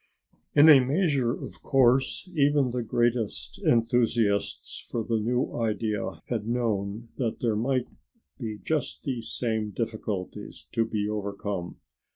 In a measure of course even the greatest enthusiasts for the new idea had known that there might be just these same difficulties to be overcome.